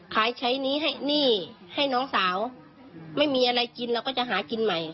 ใช้ใช้หนี้ให้หนี้ให้น้องสาวไม่มีอะไรกินเราก็จะหากินใหม่